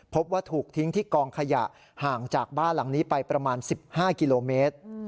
พบว่าถูกทิ้งที่กองขยะห่างจากบ้านหลังนี้ไปประมาณ๑๕กิโลเมตร